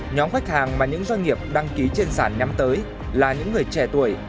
nhóm khách hàng mà những doanh nghiệp đăng ký trên sản nhắm tới là những người trẻ tuổi